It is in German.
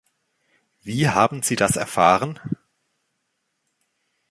Wie haben Sie das erfahren?